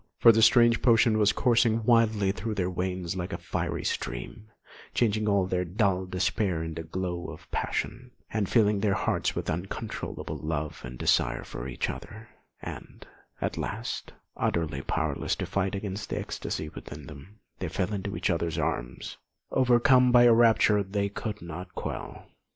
For the strange potion was coursing wildly through their veins like a fiery stream, changing all their dull despair into the glow of passion, and filling their hearts with uncontrollable love and desire for each other; and at last, utterly powerless to fight against the ecstasy within them, they fell into each other's arms, overcome by a rapture they could not quell.